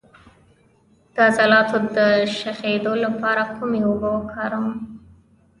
د عضلاتو د شخیدو لپاره کومې اوبه وکاروم؟